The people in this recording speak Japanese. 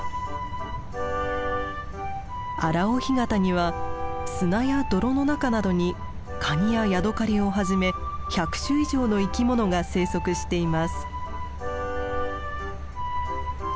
荒尾干潟には砂や泥の中などにカニやヤドカリをはじめ１００種以上の生き物が生息しています。